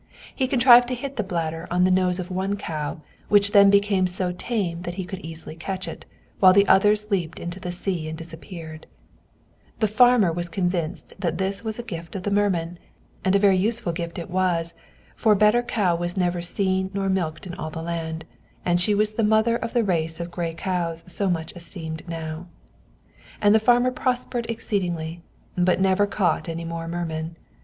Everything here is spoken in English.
He contrived to hit the bladder on the nose of one cow, which then became so tame that he could easily catch it, while the others leaped into the sea and disappeared. The farmer was convinced that this was the gift of the merman. And a very useful gift it was, for better cow was never seen nor milked in all the land, and she was the mother of the race of gray cows so much esteemed now. And the farmer prospered exceedingly, but never caught any more mermen.